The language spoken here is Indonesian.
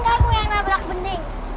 wah kan kamu yang nabrak bening